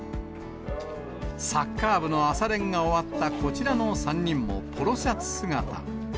サッカー部の朝練が終わったこちらの３人も、ポロシャツ姿。